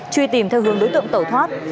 truy tìm theo hướng đối tượng tẩu thoát